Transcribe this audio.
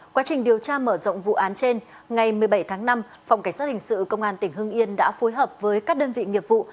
quá trình điều tra mở rộng vụ án trên ngày một mươi bảy tháng năm phòng cảnh sát hình sự công an tỉnh hưng yên đã phối hợp với các đơn vị nghiệp vụ